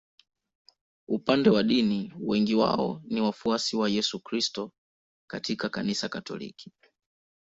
Upande wa dini wengi wao ni wafuasi wa Yesu Kristo katika Kanisa Katoliki.